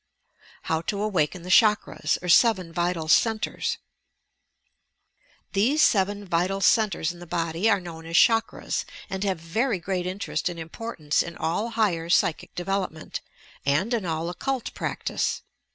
HOW TO AWAKEN THE "OHAKBAS" OB 7 VITAL CENTRES These seven vital centres in the body are known as "chakras" and have very great interest and importance in all higher psychic development and in all occult prac tice.